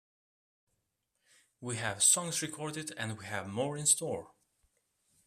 We have songs recorded and we have more in store.